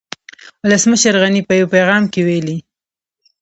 ولسمشر غني په يو پيغام کې ويلي